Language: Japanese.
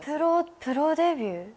プロデビュー。